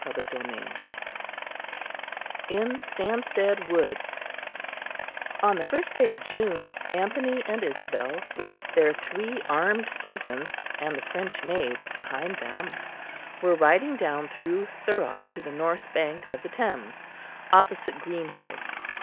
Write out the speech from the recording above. CHAPTER VIII IN STANSTEAD WOODS On the first day of June, Anthony and Isabel, with their three armed servants and the French maid behind them, were riding down through Thurrock to the north bank of the Thames opposite Greenhithe.